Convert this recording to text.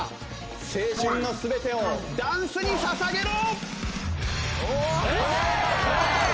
青春の全てをダンスに捧げろ！